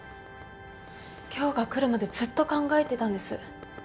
今日が来るまでずっと考えてたんです。